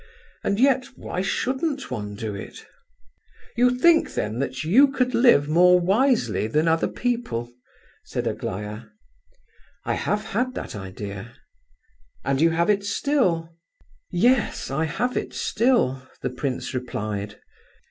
And yet, why shouldn't one do it?" "You think, then, that you could live more wisely than other people?" said Aglaya. "I have had that idea." "And you have it still?" "Yes—I have it still," the prince replied.